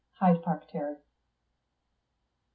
HYDE PARK TERRACE.